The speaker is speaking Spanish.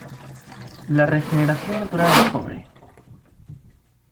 La regeneración natural es pobre.